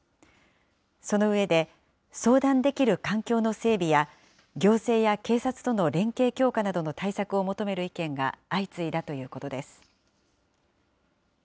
その上で、相談できる環境の整備や行政や警察との連携強化などの対策を求める意見が相次いだということです。